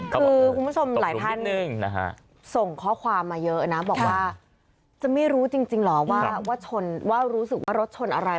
คือคุณผู้ชมหลายท่านส่งข้อความมาเยอะนะบอกว่าจะไม่รู้จริงเหรอว่ารู้สึกว่ารถชนอะไร